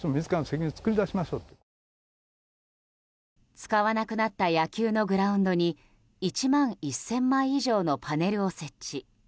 使わなくなった野球のグラウンドに１万１０００枚以上のパネルを設置。